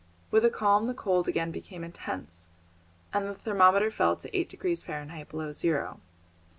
With the calm the cold again became intense, and the thermometer fell to eight degrees Fahrenheit, below zero.